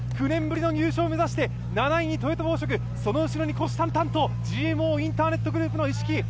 ９年ぶりの入賞を目指して７位のトヨタ紡織その後ろに虎視眈々とＧＭＯインターネットグループの一色。